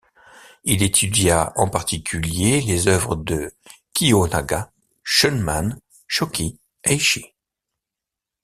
Il étudia en particulier les œuvres de Kiyonaga, Shunman, Choki, Eishi.